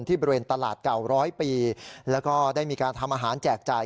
บริเวณตลาดเก่าร้อยปีแล้วก็ได้มีการทำอาหารแจกจ่าย